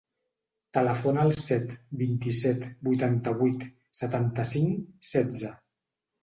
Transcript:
Telefona al set, vint-i-set, vuitanta-vuit, setanta-cinc, setze.